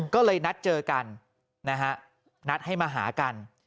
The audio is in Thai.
ก็เลยนัดเจอกันนะฮะนัดให้มาหากัน